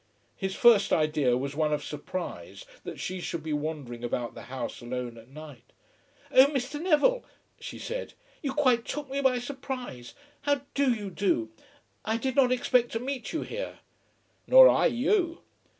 His first idea was one of surprise that she should be wandering about the house alone at night. "Oh, Mr. Neville," she said, "you quite took me by surprise. How do you do? I did not expect to meet you here." "Nor I you!"